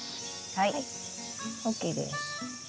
はいＯＫです。